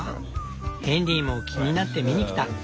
ヘンリーも気になって見にきた。